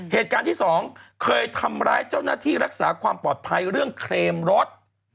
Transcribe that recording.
เหตุการณ์ที่สองเคยทำร้ายเจ้าหน้าที่รักษาความปลอดภัยเรื่องเคลมรถ